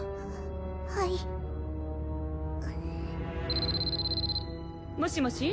はいもしもし？